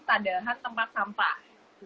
keadaan tempat sampah